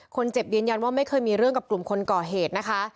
ยืนยันว่าไม่เคยมีเรื่องกับกลุ่มคนก่อเหตุนะคะ